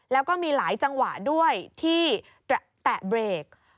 แล้วก็มีหลายจังหวะด้วยที่แตะเบรก